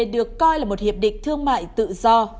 được coi là một hiệp định thương mại tự do